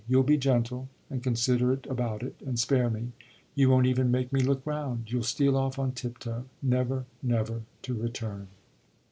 You'll be gentle and considerate about it and spare me, you won't even make me look round. You'll steal off on tiptoe, never, never to return."